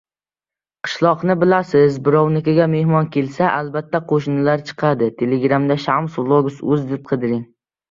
Qishloqni bilasiz, birovnikiga mehmon kelsa, albatta qo‘shnilar chiqadi.